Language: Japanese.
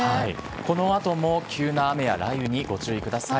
このあとも急な雨や雷雨にご注意ください。